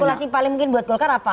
regulasi paling mungkin buat golkar apa